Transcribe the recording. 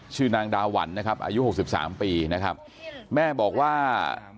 ชื่อนางดาวัลนะครับอายุ๖๓ปีนะครับแม่บอกว่า